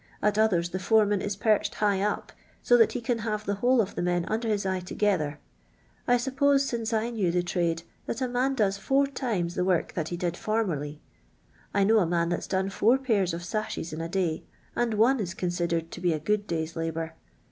At others the foreman is perched high up, so that he can have the whole of the men under his eye together. I suppose since I knew the trade that a man docs four tiinet the fori t/ifC he (iiU/orintrlt/. I know a man that 's done four pairs of sashes in a day, and one is considen.'d to be a good day's labour.